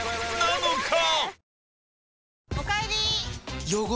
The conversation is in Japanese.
［なのか⁉］